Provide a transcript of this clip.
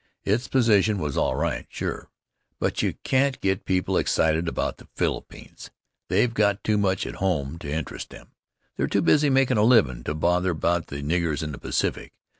Its position was all right, sure, but you can't get people excited about the Philippines. They've got too much at home to interest them; they're too busy makin' a livin' to bother about the niggers in the Pacific.